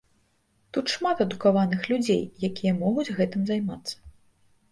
Тут шмат адукаваных людзей, якія могуць гэтым займацца.